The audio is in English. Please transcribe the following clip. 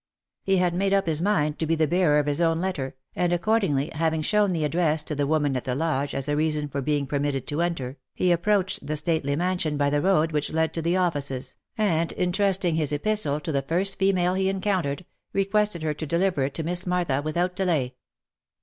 He had made up his mind to be the bearer of his own letter, and accordingly, having shown the address to the woman at the lodge as a reason for being permitted to enter, he approached the stately mansion by the road which led to the offices, and intrusting his epistle to the first female he encountered, requested her to deliver it to Miss Martha without delay.